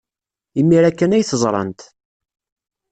Imir-a kan ay t-ẓrant.